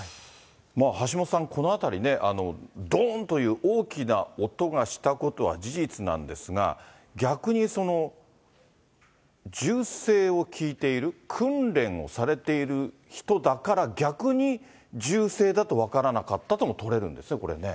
橋下さん、このあたりね、どんという大きな音がしたことは事実なんですが、逆に銃声を聞いている、訓練をされている人だから、逆に銃声だと分からなかったとも取れるんですね、これね。